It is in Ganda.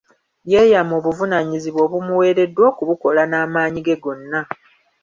Yeeyama obuvunaanyizibwa obumuweereddwa okubukola n’amaanyi ge gonna.